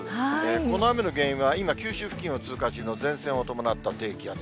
この雨の原因は、今、九州付近を通過中の前線を伴った低気圧。